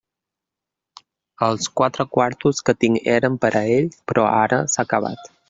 Els quatre quartos que tinc eren per a ell; però ara... s'ha acabat.